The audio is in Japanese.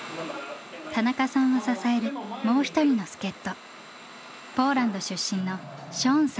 田中さんを支えるもう一人の助っ人。